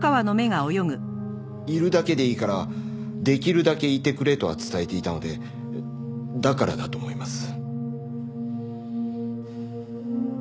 「いるだけでいいからできるだけいてくれ」とは伝えていたのでだからだと思います。